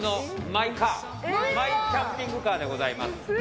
マイキャンピングカーでございます。